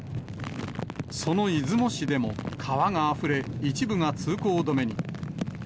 その出雲市でも川があふれ、一部が通行止めに。